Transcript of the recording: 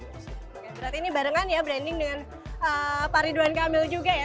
oke berarti ini barengan ya branding dengan pak ridwan kamil juga ya